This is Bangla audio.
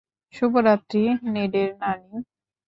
শুভরাত্রি, নেডের নানী।